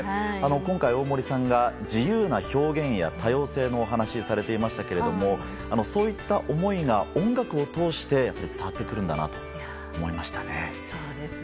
今回、大森さんが自由な表現や多様性のお話をされていましたけれどもそういった思いが音楽を通して伝わってくるんだなと思いましたね。